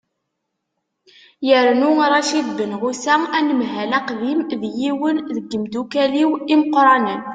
yernu racid benɣusa anemhal aqdim d yiwen seg yimeddukkal-iw imeqqranen